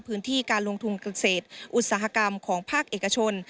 พื้นที่การลงทุนเกษตรอุตสาหกรรมของภาคเอกชน